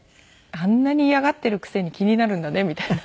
あんなに嫌がってるくせに気になるんだねみたいな。